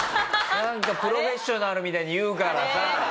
なんか『プロフェッショナル』みたいに言うからさ。